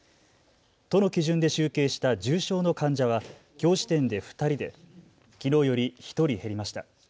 都の基準で集計した重症の患者はきょう時点で２人できのうより１人減りました。